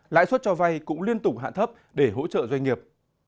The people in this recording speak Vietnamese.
lãi suất cho vay cũng liên tục hạ thấp để hỗ trợ doanh nghiệp